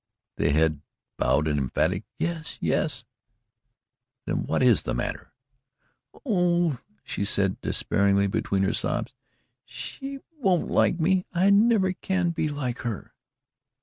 The head bowed an emphatic "Yes yes." "Then what is the matter?" "Oh," she said despairingly, between her sobs, "she won't like me. I never can be like HER."